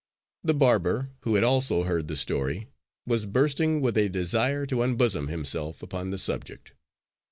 The barber, who had also heard the story, was bursting with a desire to unbosom himself upon the subject.